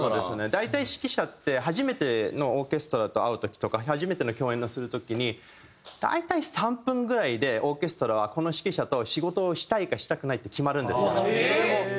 大体指揮者って初めてのオーケストラと会う時とか初めての共演をする時に大体３分ぐらいでオーケストラはこの指揮者と仕事をしたいかしたくないって決まるんですよ。